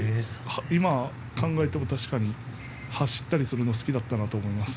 今考えても確かに走ったりするのが好きだったと思います。